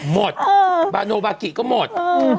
หมดบาโนบากิก็หมด